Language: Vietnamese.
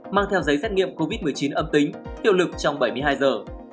mang theo giấy xét nghiệm covid một mươi chín âm tính hiệu lực trong bảy mươi hai giờ